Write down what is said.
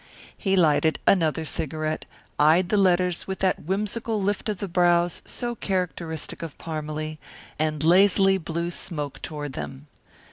He lighted another cigarette, eyed the letters with that whimsical lift of the brows so characteristic of Parmalee, and lazily blew smoke toward them.